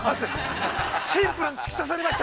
◆シンプルに突き刺さりました。